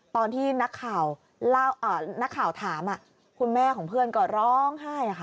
ตอนที่นักข่าวถามคุณแม่ของเพื่อนก็ร้องไห้ค่ะ